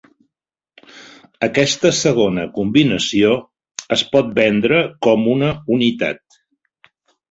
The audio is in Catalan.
Aquesta segona combinació es pot vendre com una unitat.